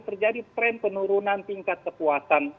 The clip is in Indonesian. terjadi tren penurunan tingkat kepuasan